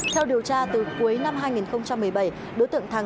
theo điều tra từ cuối năm hai nghìn một mươi bảy đối tượng thắng